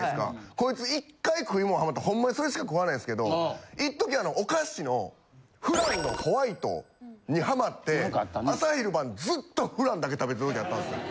こいつ１回食いもんハマったらほんまにそれしか食わないんすけど一時あのお菓子の「フラン」のホワイトにハマって。だけ食べてる時あったんですよ。